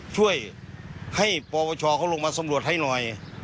ช่วยให้ปปชเขาลงมาสำรวจให้หน่อย